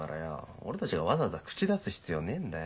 俺たちがわざわざ口出す必要ねえんだよ。